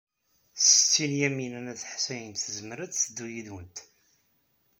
Setti Lyamina n At Ḥsayen tezmer ad teddu yid-went?